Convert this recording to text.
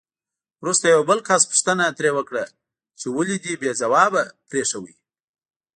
وروسته یو بل کس پوښتنه ترې وکړه چې ولې دې بې ځوابه پرېښود؟